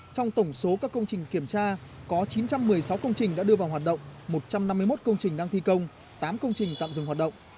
trong tổng số các công trình kiểm tra có chín trăm một mươi sáu công trình đã đưa vào hoạt động một trăm năm mươi một công trình đang thi công tám công trình tạm dừng hoạt động